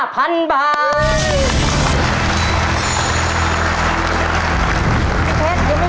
พี่เพชรยังไม่หมดหน้านี้